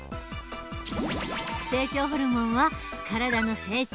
成長ホルモンは体の成長